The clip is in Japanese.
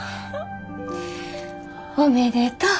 おめでとう。